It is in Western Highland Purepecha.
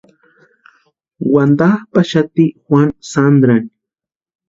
Wantapʼaxati Juanu Sandrani.